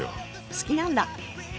好きなんだ。